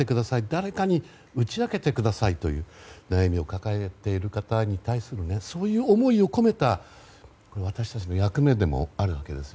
誰かに打ち明けてくださいという悩みを抱えている方に対してそういう思いを込めた私たちの役目でもあるわけです。